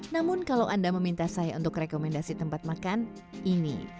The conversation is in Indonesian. namun kalau anda meminta saya untuk rekomendasi tempat makan ini